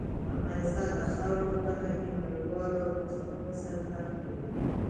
افغانستان د خاوره په برخه کې نړیوالو بنسټونو سره کار کوي.